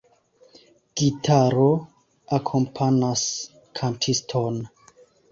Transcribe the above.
Gitaro akompanas kantiston.